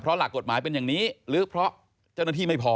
หลักกฎหมายเป็นอย่างนี้หรือเพราะเจ้าหน้าที่ไม่พอ